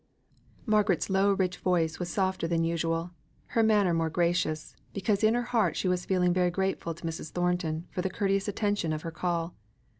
Margaret's low rich voice was softer than usual; her manner more gracious, because in her heart she was feeling very grateful to Mrs. Thornton for the courteous attention of her call.